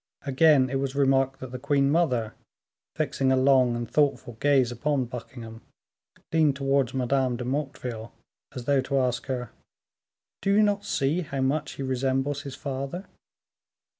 Again, it was remarked that the queen mother, fixing a long and thoughtful gaze upon Buckingham, leaned towards Madame de Motteville as though to ask her, "Do you not see how much he resembles his father?"